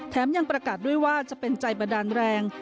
ยังประกาศด้วยว่าจะเป็นใจบันดาลแรง